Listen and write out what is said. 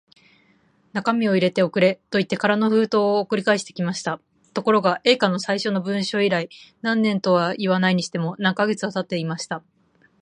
中身を入れて送れ、といって空の封筒を送り返してきました。ところが、Ａ 課の最初の文書以来、何年とはいわないにしても、何カ月かはたっていました。